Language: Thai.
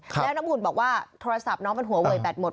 แล้วน้ำอุ่นบอกว่าโทรศัพท์น้องมันหัวเวยแบตหมด